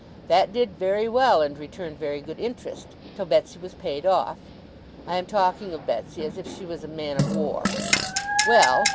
That did very well, and returned very good interest, till Betsey was paid off. I am talking of Betsey as if she was a man of war. Well!